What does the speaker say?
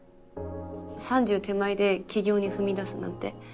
３０手前で起業に踏み出すなんて。